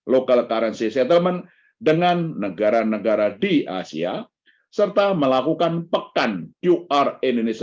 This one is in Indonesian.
local currency settlement dengan negara negara di asia serta melakukan pekan qr indonesia